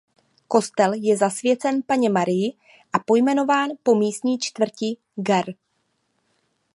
Kostel je zasvěcen Panně Marii a pojmenován po místní čtvrti Gare.